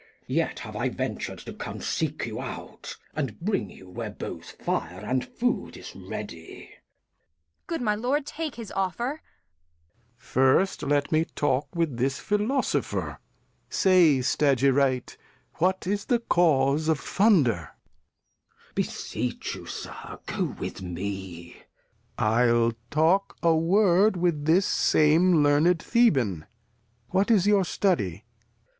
Yet have I ventured to come to seek you out, and bring you where both Fire and Food is ready. Kent. Good my Lord take his Offer. Lear. First let me talk with this Philosopher ; Say, Stagirite, what is the Cause of Thunder. Glost. Beseech you, Sir, go with me. Lear. I'll take a Word with this same learned Thehan. What is your study